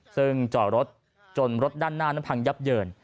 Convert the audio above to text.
ซึ่งจอดรถจนรถด้านหน้านั้นพังยับเยิน